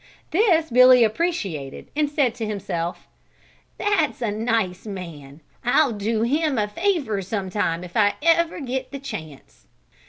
This Billy appreciated and said to himself: "That's a nice man. I'll do him a favor some time if I ever get the chance."